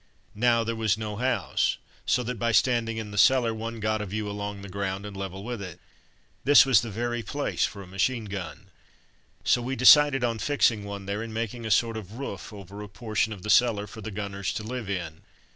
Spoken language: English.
Now there was no house, so by standing in the cellar one got a view along the ground and level with it. This was the very place for a machine gun. So we decided on fixing one there and making a sort of roof over a portion of the cellar for the gunners to live in.